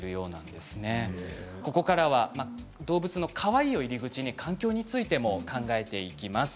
ここからは動物のかわいいを入り口に、環境についても考えていきます。